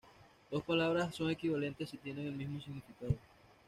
Dos palabras son equivalentes si tienen el mismo significado.